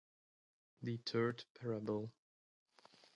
The Third Parable.